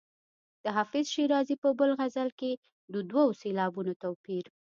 د حافظ شیرازي په بل غزل کې د دوو سېلابونو توپیر.